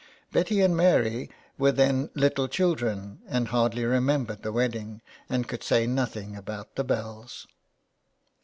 Betty and Mary were then little children and hardly remembered the wedding, and could say nothing about the bells.